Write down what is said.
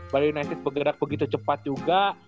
bali united bergerak begitu cepat juga